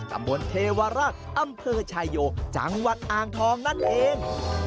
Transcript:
ตำบลเทวรักษ์อำเภอชายโยจังหวัดอ่างทองนั่นเอง